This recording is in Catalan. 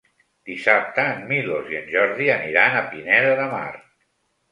Dissabte en Milos i en Jordi aniran a Pineda de Mar.